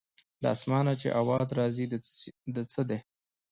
له اسمانه چې اواز راځي د څه دی.